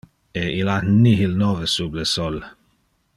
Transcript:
E il ha nihil nove sub le sol.